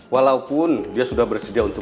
walaupun dia sudah bersedia untuk